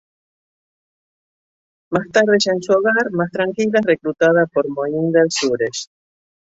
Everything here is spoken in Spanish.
Más tarde ya en su hogar, más tranquila, es reclutada por Mohinder Suresh.